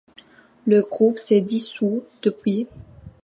Le groupe s'est dissout depuis.